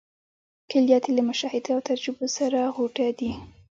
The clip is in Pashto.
کلیات یې له مشاهدو او تجربو سره غوټه دي.